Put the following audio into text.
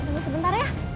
jangan sebentar ya